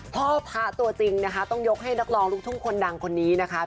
พ่อพระตัวจริงนะคะต้องยกให้นักร้องลูกทุ่งคนดังคนนี้นะคะ